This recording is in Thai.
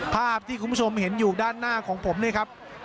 ภาพที่คุณผู้ชมเห็นอยู่ด้านหน้าของผมเนี่ยครับ